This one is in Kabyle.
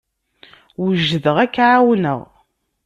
Wejdeɣ ad k-ɛawneɣ.